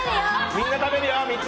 みんな食べるよ！